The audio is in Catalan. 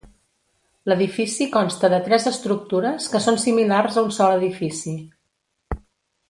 L'edifici consta de tres estructures que són similars a un sol edifici.